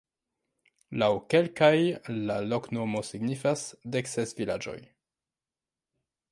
Laŭ kelkaj la loknomo signifas: dek ses vilaĝoj.